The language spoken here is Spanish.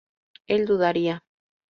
él dudaría